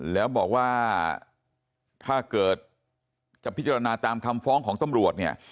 แล้วบอกว่าถ้าเกิดจะพิจารณาตามคำฟ้องของตำรวจเนี่ย